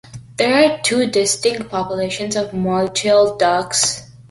There are two distinct populations of mottled ducks.